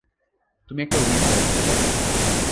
তুমি একটা উইজার্ড, তাই না?